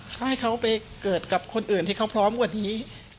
ถ้าให้เขาไปเกิดกับคนอื่นที่เขาพร้อมกว่านี้